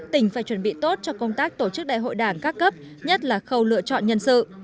tỉnh phải chuẩn bị tốt cho công tác tổ chức đại hội đảng các cấp nhất là khâu lựa chọn nhân sự